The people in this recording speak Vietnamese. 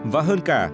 và hơn cả